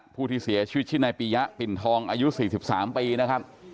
ผู้ที่เสียชีวิตชิ้นในปียะปิ่นทองอายุ๔๓ปี